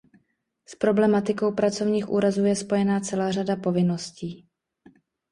S problematikou pracovních úrazů je spojena celá řada povinností.